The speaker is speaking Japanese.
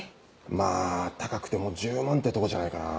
まぁ高くても１０万ってとこじゃないかな。